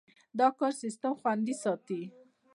دا کار سیستم خوندي ساتي.